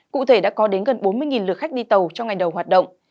cụ thể đã có đến gần bốn mươi lượt khách đi tàu trong ngày đầu hoạt động